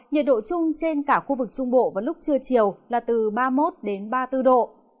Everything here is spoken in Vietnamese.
nhiệt độ chung trên cả khu vực trung bộ vào lúc trưa chiều là từ ba mươi một ba mươi bốn độ